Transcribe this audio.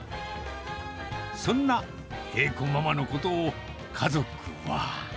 そんな栄子ママのことを、家族は。